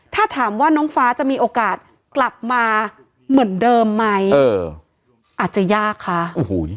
ถ้าถามว่าน้องฟ้าจะมีโอกาสกลับมาเหมือนเดิมไหมเอออาจจะยากคะโอ้โห